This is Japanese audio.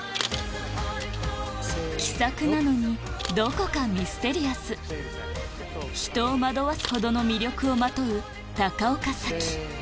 気さくなのにどこかミステリアスひとを惑わすほどの魅力をまとう高岡早紀